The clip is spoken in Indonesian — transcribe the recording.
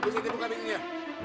ibu siti bukan ini ya